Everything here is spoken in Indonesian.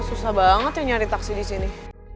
susah banget yang nyari taksi disini